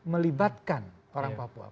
melibatkan orang papua